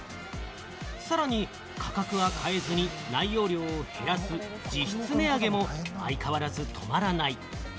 さらに価格は変えずに内容量を減らす、実質値上げも相変わらず止まらない。